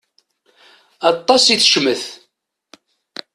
Aṭas i tecmet.